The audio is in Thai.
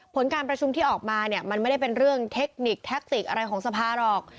ผลการประชุมที่ออกมาเนี่ยมันไม่ได้เป็นเรื่องเทคนิคแท็กติกอะไรของสภาหรอก